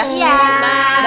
selamat malam mama